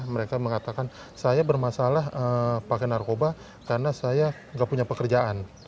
mereka mengatakan saya bermasalah pakai narkoba karena saya nggak punya pekerjaan